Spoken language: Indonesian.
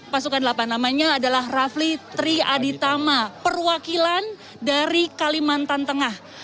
pasukan delapan namanya adalah rafli tri aditama perwakilan dari kalimantan tengah